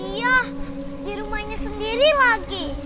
iya di rumahnya sendiri lagi